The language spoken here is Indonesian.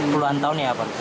puluhan tahun ya pak